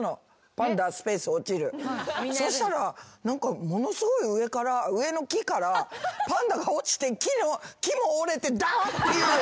「パンダスペース落ちる」そしたら何かものすごい上から上の木からパンダが落ちて木も折れてダッていう。